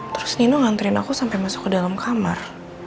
terus nino nganterin aku sampai masuk ke dalam kamar